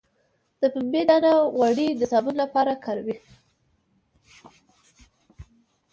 د پنبې دانه غوړي د صابون لپاره وکاروئ